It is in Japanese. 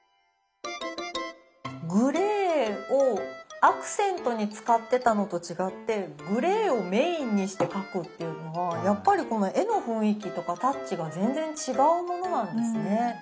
グレーをアクセントに使ってたのと違ってグレーをメインにして描くっていうのはやっぱりこの絵の雰囲気とかタッチが全然違うものなんですね。